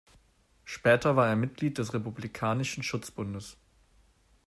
Später war er Mitglied des Republikanischen Schutzbundes.